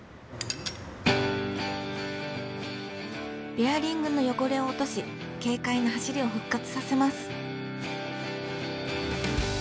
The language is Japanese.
ベアリングの汚れを落とし軽快な走りを復活させます。